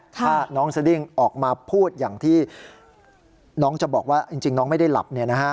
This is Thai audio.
ถ้าน้องสดิ้งออกมาพูดอย่างที่น้องจะบอกว่าจริงน้องไม่ได้หลับ